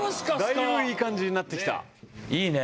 だいぶいい感じになってきたいいね